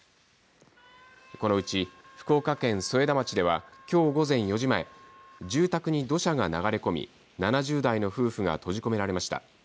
このうち福岡県添田町では今日午前４時前住宅に土砂が流れ込み７０代の夫婦が閉じ込められました。